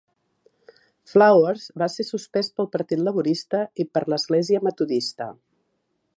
Flowers va ser suspès pel Partit Laborista i per l'Església Metodista.